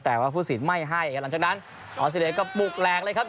แต่ว่าผู้สินไม่ให้ครับหลังจากนั้นออสเตรเลียก็ปลุกแหลกเลยครับ